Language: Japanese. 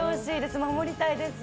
守りたいです。